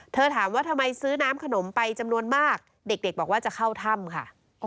ถามว่าทำไมซื้อน้ำขนมไปจำนวนมากเด็กบอกว่าจะเข้าถ้ำค่ะ